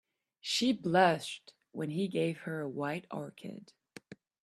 She blushed when he gave her a white orchid.